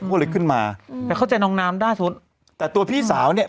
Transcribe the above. ก็เลยขึ้นมาอืมแต่เข้าใจน้องน้ำได้สมมุติแต่ตัวพี่สาวเนี้ย